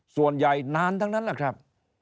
ส่วนใหญ่นานทั้งนั้นแหละครับ